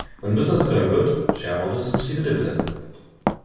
When business is going good shareholders receive a dividend.